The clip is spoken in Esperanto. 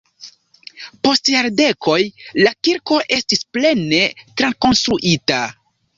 Post jardekoj la kirko estis plene trakonstruita.